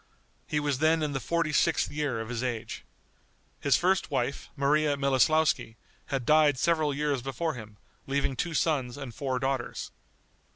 He was then in the forty sixth year of his age. His first wife, Maria Miloslouski, had died several years before him, leaving two sons and four daughters.